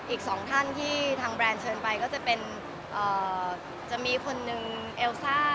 อีกสองท่านที่ทางแบรนด์เชิญไปก็จะเป็นจะมีคนหนึ่งเอลซ่า